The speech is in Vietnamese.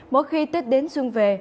mỗi khi tích đến xuân về